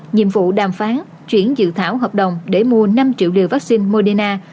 nhiệm vụ đàm phán chuyển dự thảo hợp đồng để mua năm triệu liều vaccine moderna